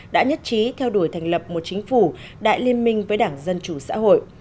đã nhất trí theo đuổi thành lập một chính phủ đại liên minh với đảng dân chủ xã hội